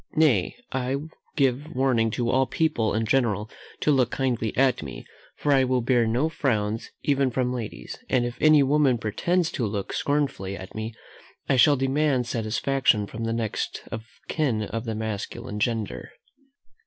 Nay, I give warning to all people in general to look kindly at me, for I will bear no frowns, even from ladies; and if any woman pretends to look scornfully at me, I shall demand satisfaction of the next of kin of the masculine gender.